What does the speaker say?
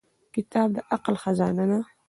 • کتاب د عقل خزانه ده.